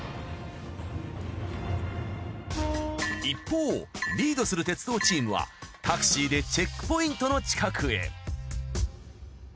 一方リードする鉄道チームはタクシーでチェックポイントの近くへ。